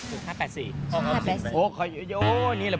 โอ้ยนี่แหละโพรโมทไปเยอะเลย